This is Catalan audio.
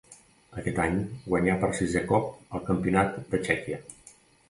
Aquest any guanyà per sisè cop el campionat de Txèquia.